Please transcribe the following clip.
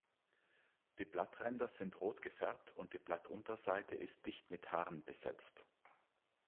Die Blattränder sind rot gefärbt und die Blattunterseite ist dicht mit Haaren besetzt.